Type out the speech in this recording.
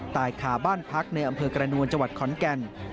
ใต้ขาบ้านพักในอำเภอกรณวลจคอนแกน